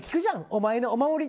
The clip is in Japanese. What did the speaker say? お前のお守り。